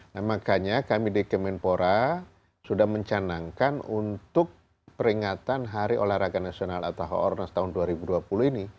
nah makanya kami di kemenpora sudah mencanangkan untuk peringatan hari olahraga nasional atau hoornas tahun dua ribu dua puluh ini